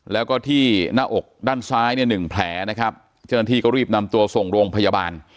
แล้วก็ที่หน้าอกด้านซ้ายเนี่ยหนึ่งแผลนะครับเจ้าหน้าที่ก็รีบนำตัวส่งโรงพยาบาล